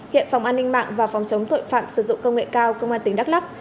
hiện phòng an ninh mạng và phòng chống tội phạm sử dụng công nghệ cao công an tỉnh đắk lắc